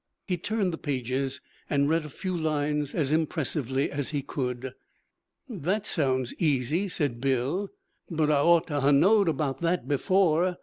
He turned the pages, and read a few lines as impressively as he could. 'That sounds easy,' said Bill. 'But I ought to ha' knowed about that before.